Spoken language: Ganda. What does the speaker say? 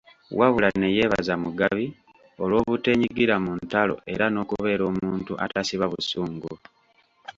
Wabula ne yeebaza Mugabi olw'obuteenyigira mu ntalo era n'okubeera omuntu atasiba busungu.